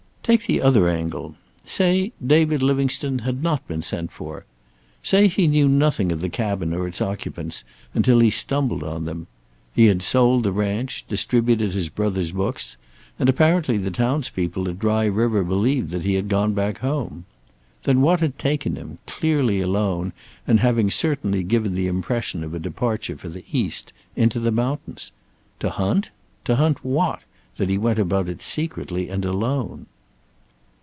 Take the other angle. Say David Livingstone had not been sent for. Say he knew nothing of the cabin or its occupants until he stumbled on them. He had sold the ranch, distributed his brother's books, and apparently the townspeople at Dry River believed that he had gone back home. Then what had taken him, clearly alone and having certainly given the impression of a departure for the East, into the mountains? To hunt? To hunt what, that he went about it secretly and alone?